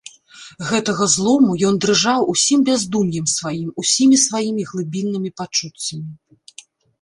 Гэтага злому ён дрыжаў усім бяздум'ем сваім, усімі сваімі глыбіннымі пачуццямі.